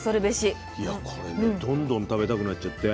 いやこれねどんどん食べたくなっちゃって。